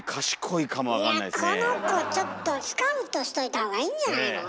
この子ちょっとスカウトしといたほうがいいんじゃないの？